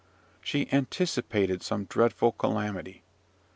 She anticipated some dreadful calamity.